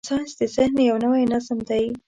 ساینس د ذهن یو نوی نظم دی.